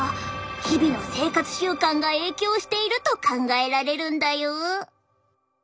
日々の生活習慣が影響していると考えられるんだよ。